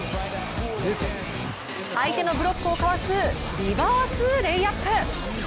相手のブロックをかわすリバースレイアップ。